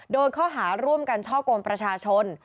โดนข้อหาร่วมกันช่อกงประชาชน